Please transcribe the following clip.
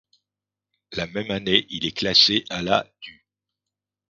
La même année, il est classé à la du '.